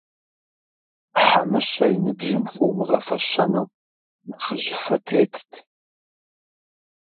Хьэмыщэ и ныбжьым хуумыгъэфэщэну нэхъыжьыфэ тетт.